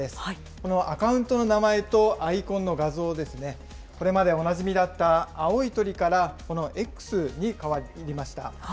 このアカウントの名前とアイコンの画像ですね、これまでおなじみだった青い鳥から、このＸに変わりました。